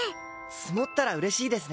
積もったら嬉しいですね。